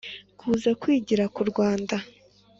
Kuza kwigira k u rwanda